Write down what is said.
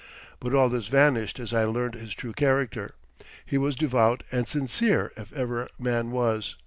But all this vanished as I learned his true character. He was devout and sincere if ever man was.